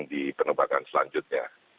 di penerbangan selanjutnya